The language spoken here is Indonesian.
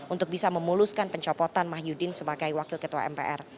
untuk bisa memuluskan pencopotan mahyudin sebagai wakil ketua mpr